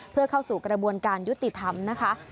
เพื่อเข้าสู่กระบวนการยุติธรรมนะคะ